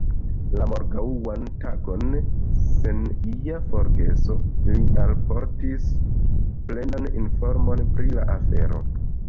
La morgaŭan tagon, sen ia forgeso, li alportis plenan informon pri la afero.